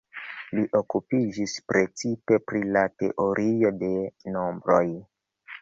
Li okupiĝis precipe pri la teorio de nombroj.